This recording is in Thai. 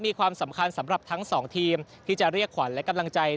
มีความสำคัญสำหรับทั้งสองทีมที่จะเรียกขวัญและกำลังใจ